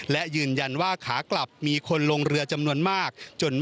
และยืนยันว่าขากลับมีคนลงเรือจำนวนมาก